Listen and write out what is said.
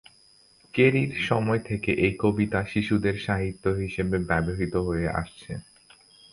কেরীর সময় থেকে এই কবিতা শিশুদের সাহিত্য হিসেবে ব্যবহৃত হয়ে আসছে।